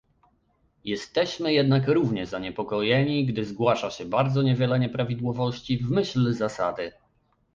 Jesteśmy jednak równie zaniepokojeni, gdy zgłasza się bardzo niewiele nieprawidłowości, w myśl zasady